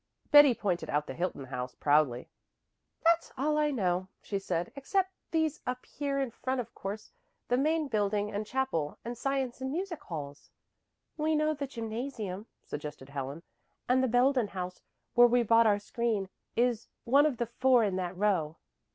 Betty pointed out the Hilton House proudly. "That's all I know," she said, "except these up here in front of course the Main Building and Chapel, and Science and Music Halls." "We know the gymnasium," suggested Helen, "and the Belden House, where we bought our screen, is one of the four in that row."